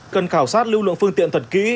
cần khảo sát lưu lượng phương tiện thật kỹ